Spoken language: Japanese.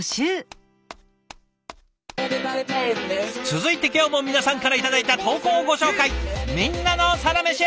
続いて今日も皆さんから頂いた投稿をご紹介。